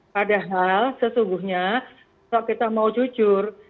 padahal sesungguhnya kalau kita mau jujur